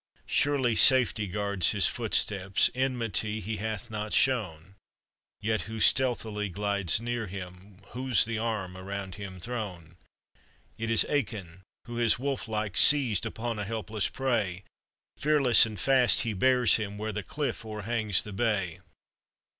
Surely safety guards his footsteps, Enmity he hath not shown; Yet who stealthily glides near him, Whose the arm around him thrown ? It is Eachann, who has wolf like Seized upon a helpless prey! Fearlessly and fast he bears him ! Where a cliff o'erbangs the bay.